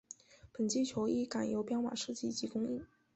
本季球衣改由彪马设计及供应。